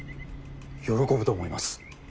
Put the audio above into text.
喜ぶと思います。